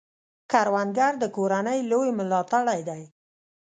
کروندګر د کورنۍ لوی ملاتړی دی